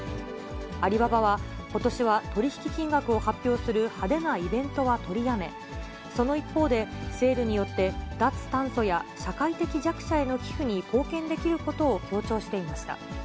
アリババはことしは取り引き金額を発表する派手なイベントは取りやめ、その一方で、セールによって、脱炭素や社会的弱者への寄付に貢献できることを強調していました。